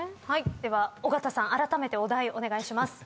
では尾形さんあらためてお題お願いします。